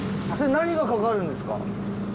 何がかかるんですか？